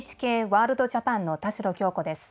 「ＮＨＫワールドＪＡＰＡＮ」の田代杏子です。